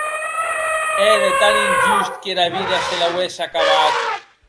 Ère tant injust qu'era vida se l'auesse acabat!